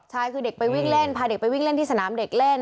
ใช่คือเด็กไปวิ่งเล่นพาเด็กไปวิ่งเล่นที่สนามเด็กเล่น